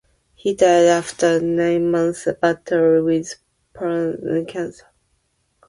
He died after a nine-month battle with pancreatic cancer.